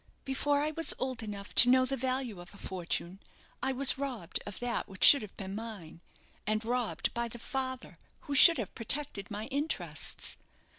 Before I was old enough to know the value of a fortune, I was robbed of that which should have been mine, and robbed by the father who should have protected my interests.